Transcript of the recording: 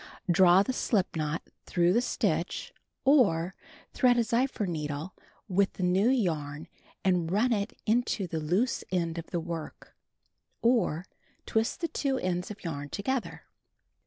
Draw the slip knot through the stitch; or, thread a zephyr needle with the new yarn and run it into the loose end on the work; or, twist the two ends of yarn together.